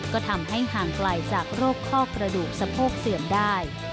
ก็ทำให้ห่างไกลจากโรคข้อกระดูกสะโพกเสื่อมได้